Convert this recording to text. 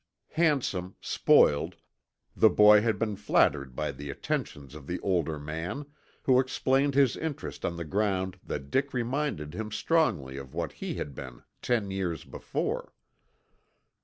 Handsome, spoiled, the boy had been flattered by the attentions of the older man, who explained his interest on the ground that Dick reminded him strongly of what he had been ten years before.